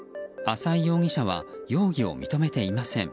浅井容疑者は容疑を認めていません。